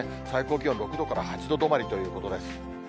最高気温６度から８度止まりということです。